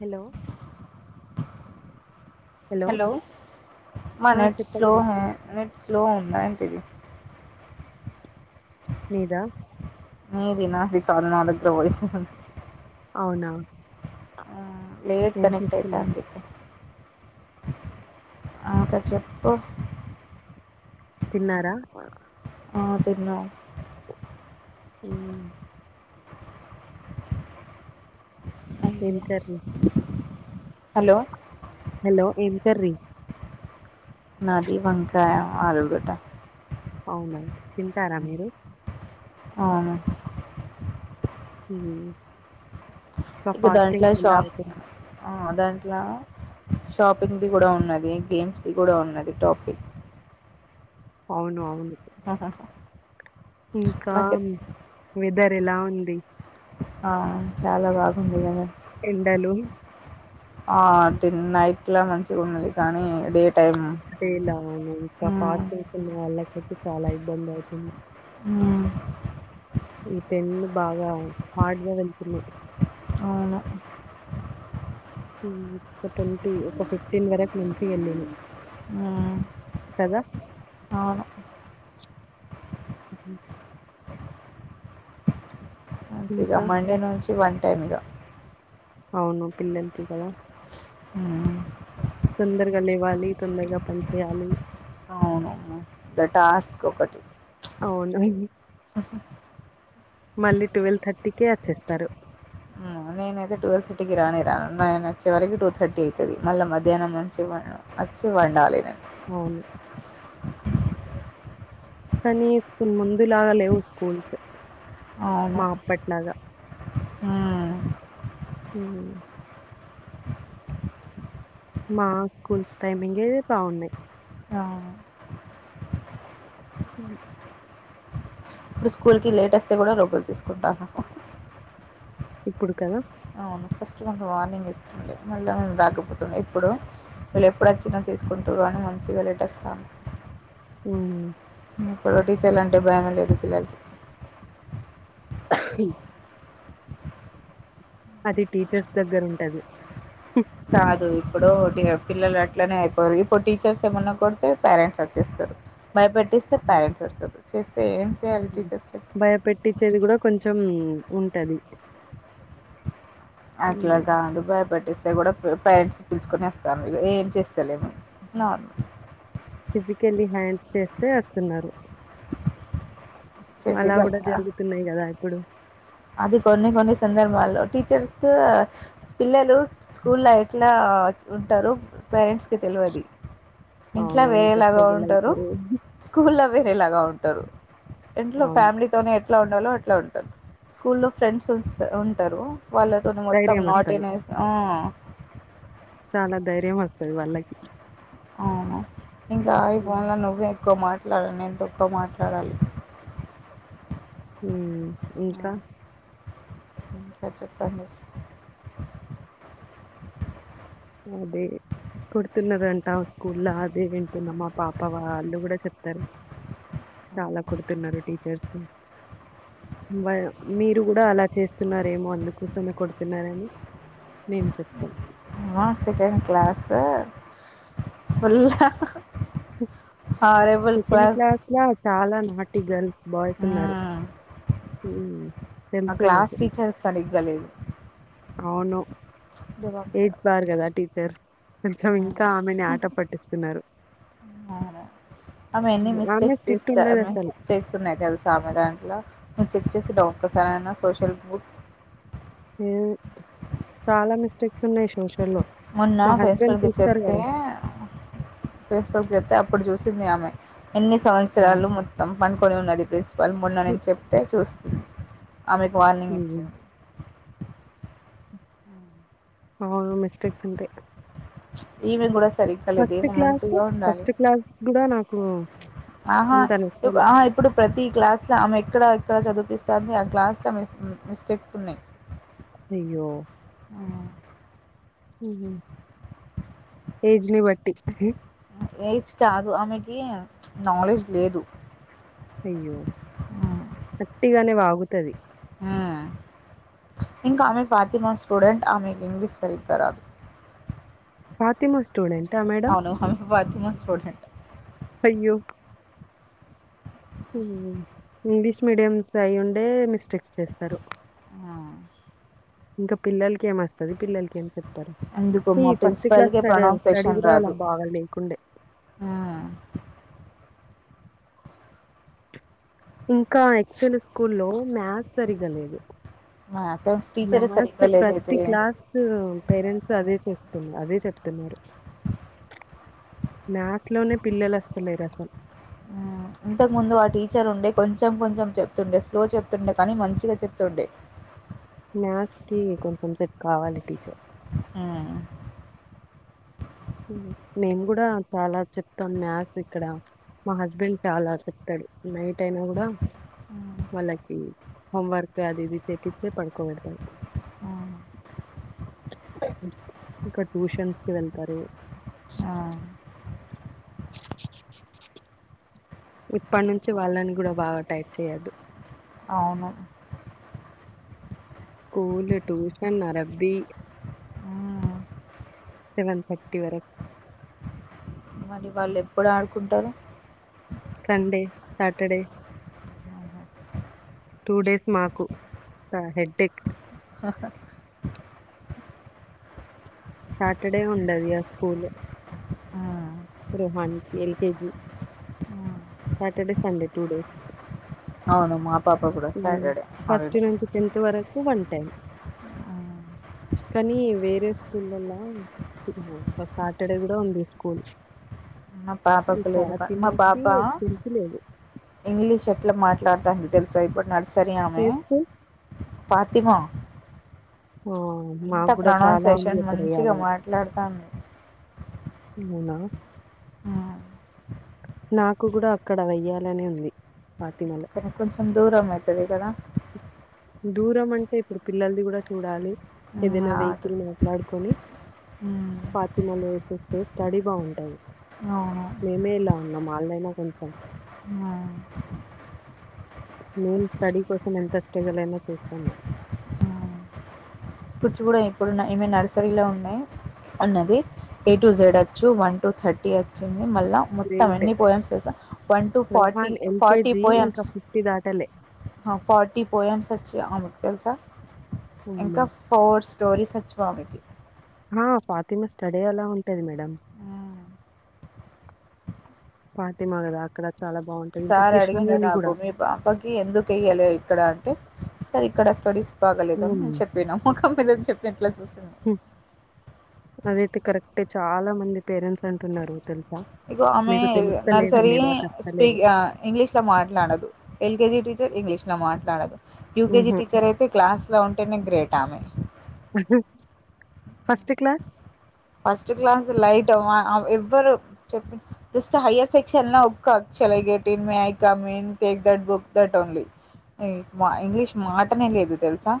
Hello hello మా ఆ net slow చెప్పండి నెట్ స్లో ఉన్నా థూ మీదా ఏది నాది కాదు నా దగ్గర ఓ అవునా అ లేేట్ కనెక్ట్ అయితే అందుతె అకా చెప్పు తిన్నారా ఆ తిన్నా ఊమ్ ఏం అయ్యో కర్రీ హలో హలో ఏం కర్రీ నది వంకాయ ఆలుగడ్డ అవునా తింటారా మీరు అవును ఊ ఇగ దాంట్ల షాప్ ఆ ద ఇట్లా షాపింగ్ ది గూడా ఉన్నది గేమ్స్ ది గూడా ఉన్నది టాపిక్ అవును అవును ఆహాహ ఇంకా వెదర్ ఎలా ఉంది ఆ చాలా బాగుంది గద ఎండలు ఆ తిన్ నైట్లా మంచిగా ఉన్నది కానీ డేట్ అదేలా అవును ఇంకా ఫాస్టింగ్స్ వున్నవాలక్ అయితే చాలా ఇబ్బంది అవుతుంది ఊ ఈ టెన్లు బాగా హార్డ్గా వెళ్తున్నాయి అవును. ఊమ్ ఒక ట్వంటీ ఒక ఫిఫ్టీన్ వరకు మంచి ఎల్లినయ్ హ్మ్. కదా అవును. ఉ మంచిగా ఇంకా మండే నుంచి వన్ టైమిగా అవును పిల్లలకి కదా హ్మ్. తొందరగా లేవాలి తొందరగా పని చేయాలి అవును. ద టాస్క్ ఒకటి అవును హ్హ్ మళ్ళీ ట్వెల్వ్ థర్టీకే ఒచ్చేస్తారు హ్మ్. నేనైతే టువెల్ ఫిఫ్టీకి రానే రాను నేను వచ్చే వరకు టూ థర్టీ అయితది మళ్ళ మధ్యాహ్నం మంచిగ వచ్చి వండాలి నేను అవును కనీసం ముందులాగా లేవు స్కూల్స్ మా అప్పట్లాగా ఊ ఊ మా స్కూల్స్ టైమింగే బావున్నయ్ అవును. ఉ ఇప్పుడు స్కూల్ కి లేట్ అస్తే కూడా లోపలికి తీసుకుంటాను హ్ హ్ హ్ ఇప్పుడు కదా ఫస్ట్ మాకు వార్నింగ్ ఇస్తుండే మళ్ళా మేము రాకపోతుండే ఎప్పుడు వీళ్ళు ఎప్పుడు వచ్చినా తీసుకుంటురు అని మంచిగా లేట్ వస్తర్ ఉ ఇప్పుడు టీచర్లు అంటే భయమే లేదు పిల్లలకి అది టీచర్స్ దగ్గర ఉంటది ఉ కాదు ఇప్పుడు ఉట్టిన పిల్లలు అట్లనే అయిపోరు ఇప్పుడు టీచర్స్ ఏమన్నా కొడితే పేరెంట్స్ వచ్చేస్తారు భయపట్టిస్తే అవును. పేరెంట్స్ వస్తరు చేస్తే ఏం చేయాలి హ్మ్. టీచర్స్ చెప్పు భయపెట్టిచ్చేది గూడా కొంచెం ఉంటది అట్లా హ్మ్. గాదు భయపట్టిస్ తే గూడా పేరెంట్స్ పిలుచుకొని వస్తారు ఏం చేస్ త్తలేము నార్మల్ ఫిజికల్లీ హ్యాండ్ చేస్తే వస్తున్నారు అలా ఫిజికల్ గూడా జరుగుతున్నాయి కదా అయ్ ఇప్పుడు అది కొన్ని కొన్ని సందర్భాల్లో టీచర్స్ పిల్లలు స్కూల్ ల ఎట్లా ఉంటారు పేరెంట్స్ కి తెలవది ఇంట్లా అవును. ఎంత వేరేలాగా స్ట్రగుల్ ఉంటారు అయితుర్రు. స్కూల్ ల వే తే లాగా ఉంటారు ఇంట్లో అవును. ఫ్యామిలీతోనే ఎత్ ఎట్లా ఉండాలో అట్లా ఉంటరు స్కూలో ఫ్రెండ్స్ వస్తే ఉంటరు వాళ్ళతోని మొత్తం ధైర్యమస్తది. నాటినేస్ ఆ అలా ధైర్యవత్తది వాళ్ళకి అవును ఇంకా ఆయిపోన్ హ్మ్. ల నువ్వే ఎక్కువ మాట్ ఎవరినైన తక్కువ మాట్లాడాలి హ్మ్ ఇంకా అ చెప్పండి అదే కొడుతున్నరంట స్కూల్లా అదే వింటున్నా మా పాప వాళ్ళు కూడా చెప్తారు చాలా కొడుతున్నారు టీచర్స్ మీరు కూడా అలా చేస్తున్నారు ఏమో అందుకోసమే కొడుతున్నారని మేము చెప్తాం అ సెకండ్ క్లాస్ ఫుల్ ఉ సెకండ్ క్లాస్ లా చాలా నాట గర్ల్స్ బాయ్స్ ఉన్నారు ఊ ఆ క్లాస్ టీచర్ సరిగ్గా లేదు జవాబు ఎయిత్ ఖరాబ్ పార్ కదా టీ టర్ తెచ్చమింగ కా ఆమెని ఆట పట్టి ఉన్నారు అవును ఆమె ఎన్ని మిస్టేక్స్ చేస్తది ఎని మిస్టేక్స్ ఉన్నాయి తెల్సా ఆమె దాంట్లో చెక్ చేసిద్దా ఒక్కసారైనా సోషల్ బుక్ ఏ చాలా మిస్టేక్స్ ఉన్నాయ్ సోషల్ లో మోన్నా ప్రిన్సిపల్ కి చెప్తే ప్రిన్సిపల్ కి చెప్తే అప్పుడు చూస్ హింది ఆమె ఎన్ని సంవత్సరాలు మొత్తం పండుకొని ఉన్నది ఇప్పుడు ఇచ్ వాళ్ళు మొన్న నచ్చి నేను చెప్తే చూస్తా ఆమెకి వార్నింగ్ హ్మ్. ఇచ్చింది అవును మిస్టేక్స్ ఉంటాయ్ ఈమె గూడా ఫస్ట్ క్లాసు ఫస్ట్ క్లాస్క్ గూడా నా ఓ ఆహా ఆ ఇప్పుడు ప్రతి క్లాస్ అసలా ఆమె ఎక్కడ ఎక్కడ చదిపిస్తంది ఆ క్లాస్లో మిస్ మిస్టేక్స్ ఉన్నయ్ అయ్యో హ్మ్ ఉహూ ఏజ్ని బట్టి ఏజ్ కాదు ఆమెకి నాలెడ్జ్ లేదు అయ్యో ఉమ్. వట్టిగానే వాగుతది హ్మ్ ఇంకో ఆమె ఫాతిమా స్టూడెంట్ ఆమెకి ఇంగ్లీష్ సరిగ్గా రాదు ఫాతిమా సూ స్టూడెంటా మేడం అవును. ఆమె ఫాతిమా స్టూడెంట్. అయ్యో ఇంగ్లీష్ మీడియంస్ అయ్యుండే మిస్టేక్స్ చేస్తారు ఆ! ఇంక పిల్లల్కి ఏం వస్తది పిల్లల్కీ ఏం చెప్తది ఎందుకో ఈ మా ఫస్ట్ క్లాస్ ప్రిన్సిపాల్‌కే స్టడీ ప్రొనౌన్సేషన్ గుడా రాదు. బాగా లేకుండే హ్మ్. ఇంకా ఎక్సెల్ స్కూల్ లో మ్యాథ్స్ సరిగలేదు మా అసైన్స్ టీచరే మ్యాథస్ సరిగ్గా ప్రతి లేదైతే. క్లాస్ పేరెంట్స్ అదే చేస్ తిన్ అదే చెప్తున్నారు మ్యాథ్స్ లోనే పిల్లలు వస్తలేరు అసలు ఆ ఇంతకు ముందు ఆ టీచర్ ఉండే కొంచెం కొంచెం చెప్తుండే స్లో చెప్తుండే కానీ మంచిగా చెప్తుండే మ్యాథ్స్ కి కొంపెం సెపు కావాలి టీచర్ ఆ ఉ మేము గూడా తాలా చెప్తాం మ్యాథ్స్ ఇక్కడ మా హస్బెండ్ టాలా తేప్తాడు నైట్ అయినా గూడా హ్మ్. వాళ్ళకి హోంవర్క్ అది ఇది తెప్పితే పడుకో బేడుతాడు ఆ ఇంకా ట్యూషన్స్ కి వెళ్తారు ఆ! ఇప్పడి నుంచి వాళ్ళని గూడా బాగా టైట్ చేయొద్దు అవును స్కూల్ ట్యూషన్ అరబి హ్మ్. సెవెన్ థర్టీ వరకు వానీ వాళ్ళు ఎప్పుడు ఆడుకుంటారు సండే సాటర్డే హుహు. టూ డేస్ మాకు హెడ్డేక్ సాటర్డే ఉండది గ స్కూల్ హ్మ్. రోహన్ ఎల్కెజీ హ్మ్. సాటర్డే సండే టుడేస్ అవును మా పాప కూడా హ్మ్మ్ సాటర్‌డే ఫస్ట్ హాలిడే. నుంచి టెన్త్ వరకు వంట హ్మ్. కానీ వేరే స్కూలల్లా సాటర్డే కూడా ఉంది స్కూల్ నా ఈ పాపకు లేదు నా ఫాతిమాకి పాపా తెలిసి లేదు ఇంగ్లీష్ ఎట్ల మాట్ ఆడుతుందో తెలుసా ఇప్పుడు న సరిమ ఏ పా స్కూల్ ప్రతిమ ఓ అంత ప్రొనౌన్సేషన్ మంచిగా మాట్లాడతాంది అవునా ఉమ్, నాకు కూడా అక్కడ వెయ్యాలనే ఉంది ఫాతిమలో కానీ కొంచెం దూరం అవుతుంది కదా దూరం అంటే ఇప్పుడు పిల్లల్ని కూడా చూడాలి ఉమ్, ఏదైనా ఆ అటు వెహికల్ మాట్లాడుకొని ఉమ్, ఫాతిమా లు స్తే స్టడీ బాగుంటాది అవును మాళ్ళైనా కొంచెం ఉమ్, నేను స్టడీ కోసం ఇంట్రెస్ట్లనా చూస్తాను కూర్చ కూడా ఇప్పుడు ఈ నర్సరీ లో ఉన్నాయి అన్నది ఎ టు జెడ్ వచ్చు వన్ టు థర్టీ వచ్చింది మళ్ళా మొత్తం గ్రేట్. ఎన్ని పోయెమ్స్ తెలుసా one two forty Rehan forty LKG ఇంకా పోయమ్స్ దాటలే. హ ఫార్టీ పోయెమ్స్ వచ్చి తెలుసా మ్మ్ స్టోరీ సచ్ వామిటి ఆ ఫాతిమ స్టడీ ఎలా ఉంటది మేడం ఫాతిమ కదా అక్కడ చాలా బావుంటది. ఇంకా సార్ అడిగండి 'కృష్ణవేణి' నాకు గూడా. మీ పాపకి ఎందుకు ఇయ్యలే ఇక్కడ అంటే స ఇక్కడ స్టడీస్ బాగలేదాం హ్మ్. నేను చెప్పిన ముఖం మీ చెప్ప ఎట్లా చూా అదైతే కరెక్టే చాలా మంది పేరెంట్స్ అంటున్నారు తెలుసు ఇగో ఆమె నర్సరీ దాకా అస్తలేదు. స్పీక్ ఇంగ్లీష్ లో మాట్లాడదు ఎల్కెజీ టీచర్ ఇంగ్లీష్ నవ మాట్లాడదు యూకెజీ హుహు. టీచర్ అయితే క్లాస్ ఇట్లా ఉంటేనే గ్రేట్ ఆమె first class first class light ఏవ్వ ఎవ్వరు చెప్ప జస్ట్ హయ్యర్ సెక్షన్ ల ఒక్క చల్ I get in may I come in take that book that only English మాటనే లేదు తెలుసా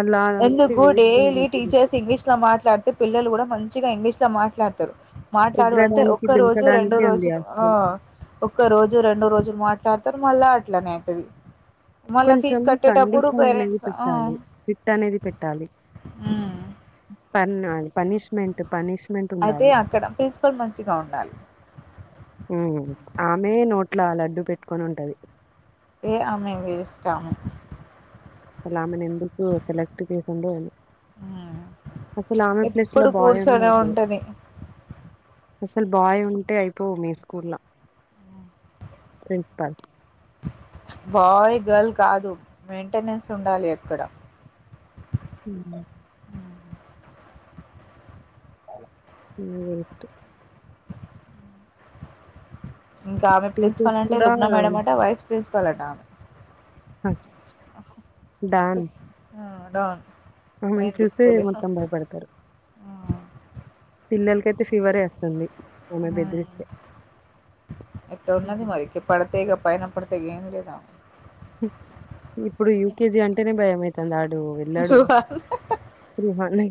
అలా నుంచి ఎందుకు వేస్ట్ ఉంది డైలీ మీకు. టీచర్స్ ఇంగ్లీష్ లో మాట్ మాట్లాడితే పిల్లలు కూడా మం చిగా ఇంగ్లీష్లా మాట్లాడుతరు మాట్లాడు అంటే ఎగరడానికి, ఒక్క రోజు రెండో దుంకడానికి ఉంది రోజులు ఆ స్కూల్. ఒక్క రోజు రెండో రోజులు మాట్ ఇట్ల అంటరు మళ్ళ అట్లానే అయితది మళ్ళా కొంచెం ఫీజు కట్టేటప్పుడు కండిషన్ అనేది పేరెంట్స్ ఆ పెట్టాలి ఫిట్ అనేది పెట్టాలి పర్నాలి పనిష్మెంట్ పనిష్మెంట్ అయితే ఉండాలి అక్కడ ప్రిన్సిపల్ మంచిగా ఉండాలి ఆమె నో నోట్లా లడ్డూ పెట్టుకొని ఉంటది ఏ ఆమె వేస్ట్ ఆమె అసలు ఆమెను ఎందుకు సెలెక్ట్ చేసిండో ఏమో ఉ అసలు ఆమె ప్లేస్ లో ఎప్పుడు బాయ్ ఉన్న కూర్చొనే అయిపోవు ఉంటది అసలు బాయ్ ఉంటే అయిపోవు మీ స్కూల్ ల ప్రిన్సిపాల్ బాయ్ గర్ల్ కాదు మెయింటెనెన్స్ ఉండాలి అక్కడ ఉ ఈమె వేస్ట్ ఇంకామె టీచర్స్ ప్రిన్సిపాల్ అంటే కూడా లుగ్న మేడం అట వైస్ ప్రిన్ ప్రిన్సిపాల్ అట ఆమె డాన్ డాన్ ఆమెను చూస్తే మొత్తం భయపడతరు పిల్లలుకైతే ఫీవరే అస్తుంది ఉ ఎట్ట ఉన్నది ఉహు మరి పడతే ఇగ పైన పడు ఇగ ఏమీలేదు ఆమె తందాడు డు వెళ్లాడు రుహాన్ని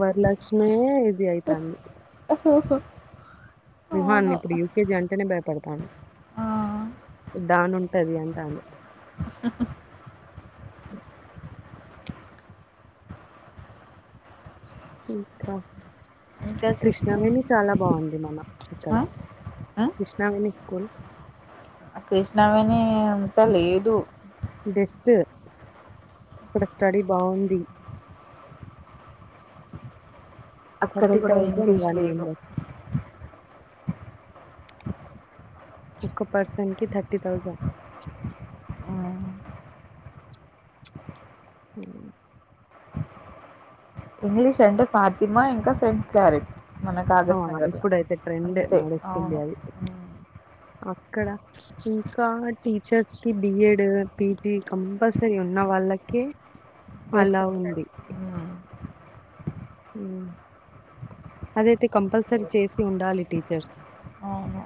వరలక్ష్మి ఇది అయితాంది రుహాన్ని అవును ఇప్పుడు యూకేజీ అంటేనే భయపడతాండు ఆ డాన్ ఉంటది అని హూ హూ ఇంకా ఇంకా చెప్పండి క్రిష్ణవేణి చాలా బాగుంది మన ఇక్కడ ఆ క్రిష్ణవేణి స్కూల్ ఆ కృష్ణవేణి అంత లేదు బెస్ట్ ఇక్కడ స్టడీ బాగుంది అక్కడ కూడా ఇంగ్లీష్ లేదు మెంబర్. [unintelligible] ఒక్క పర్సన్ కి థర్టీ థౌజండ్ ఆ హుమ్ ఇంగ్లీష్ అంటే పాతిమా ఇంకా సెంట్ క్లారిట్ ఆ ఇప్పుడైతే ట్రెండ్ నడుస్తుంది. అవును అది మ్మ్. అక్కడ ఇంకా. టీచర్స్ కి బిఎడ్, పిజీ కంపల్సరీ ఉన్న వాళ్ళకీ వేసుకుంటారహుమ్మ్ [unintelligible] అదైతే కంపల్సరీ చేసి ఉండాలి టీచర్స్ అవును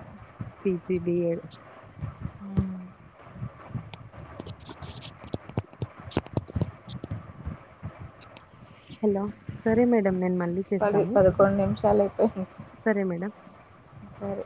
పిజి, బిఏడ్ మ్మ్. హలో సరే మేడ నేన్ మా పది పదకొండు నిమిషాలు అయిపోయియి. సరే మేడం. సరి